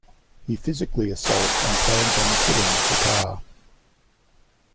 He physically assaults and plans on killing Shekar.